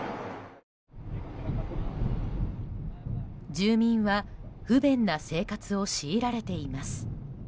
住民は不便な生活を強いられています。